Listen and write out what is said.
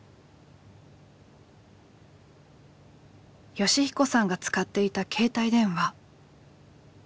善彦さんが使っていた携帯電話。